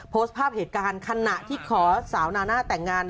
โพสต์ภาพเหตุการณ์ขณะที่ขอสาวนาน่าแต่งงาน